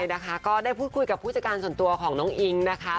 นะคะก็ได้พูดคุยกับผู้จัดการส่วนตัวของน้องอิงนะคะ